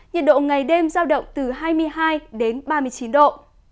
nhiệt độ ngày đêm giao động từ hai mươi hai đến ba mươi chín độ